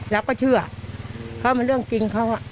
เราก็เชื่อเขามันเรื่องจริงเขา